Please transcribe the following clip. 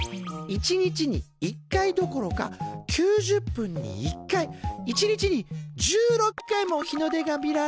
一日に１回どころか９０分に１回一日に１６回も日の出が見られるよ。